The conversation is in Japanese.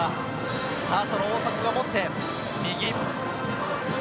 大迫が持って右。